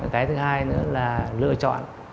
cái thứ hai nữa là lựa chọn